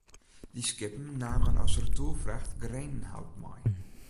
Dy skippen namen as retoerfracht grenenhout mei.